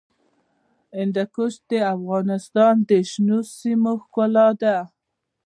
هندوکش د افغانستان د شنو سیمو ښکلا ده.